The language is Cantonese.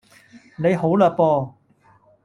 你好啦播